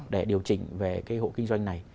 để điều chỉnh về cái hộ kinh doanh này